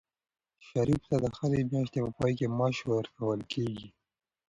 شریف ته د هرې میاشتې په پای کې معاش ورکول کېږي.